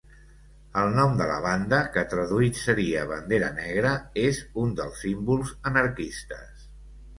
El nom de la banda, que traduït seria bandera negra, és un dels símbols anarquistes.